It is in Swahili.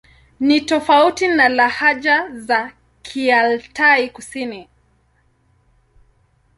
Ni tofauti na lahaja za Kialtai-Kusini.